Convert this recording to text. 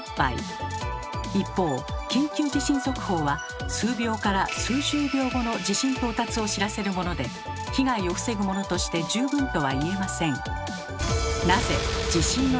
一方緊急地震速報は数秒から数十秒後の地震到達を知らせるもので被害を防ぐものとして十分とは言えません。